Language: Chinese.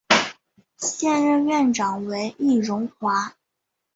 现任院长为易荣华。